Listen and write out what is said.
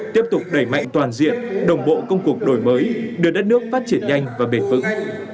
tiếp tục đẩy mạnh toàn diện đồng bộ công cuộc đổi mới đưa đất nước phát triển nhanh và bền vững